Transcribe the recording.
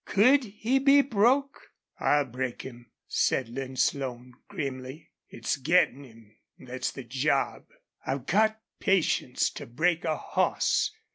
Could he be broke?" "I'll break him," said Lin Slone, grimly. "It's gettin' him thet's the job. I've got patience to break a hoss.